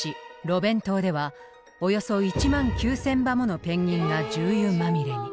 ロベン島ではおよそ１万９千羽ものペンギンが重油まみれに。